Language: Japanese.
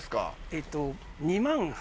えっと２万。